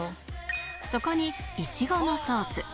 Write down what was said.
そこにイチゴのソース